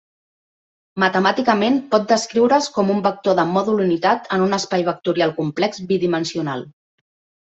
Matemàticament, pot descriure's com un vector de mòdul unitat en un espai vectorial complex bidimensional.